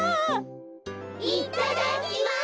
いただきます！